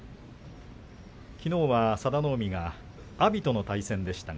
きのうは佐田の海阿炎との対戦でした。